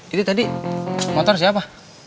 itu tadi motor siapa